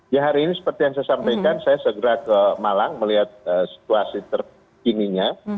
ya hari ini seperti yang saya sampaikan saya segera ke malang melihat situasi terkininya